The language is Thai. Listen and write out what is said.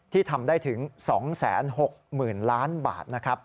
ทำได้ถึง๒๖๐๐๐ล้านบาทนะครับ